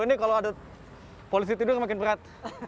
ini kalau ada polisi tidur makin berat